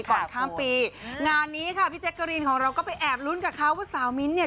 ก่อนข้ามปีงานนี้ค่ะพี่แจ๊กกะรีนของเราก็ไปแอบลุ้นกับเขาว่าสาวมิ้นท์เนี่ย